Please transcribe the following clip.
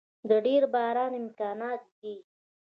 د ډیر باران امکانات دی